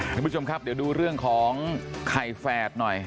คุณผู้ชมครับเดี๋ยวดูเรื่องของไข่แฝดหน่อย